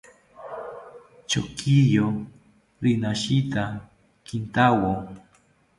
Chokiyo rinashita kintawo